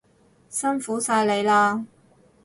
辛苦晒你喇